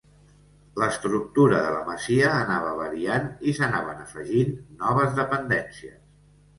L'estructura de la masia anava variant i s'anaven afegint noves dependències.